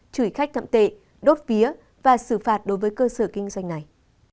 chửi khách thậm tệ đốt vía và xử phạt đối với cơ sở kinh doanh này